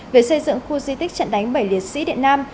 về xây dựng khu di tích trận đánh bảy liệt sĩ điện nam